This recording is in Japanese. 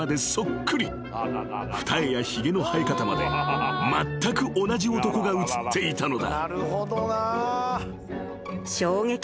［二重やひげの生え方までまったく同じ男が写っていたのだ］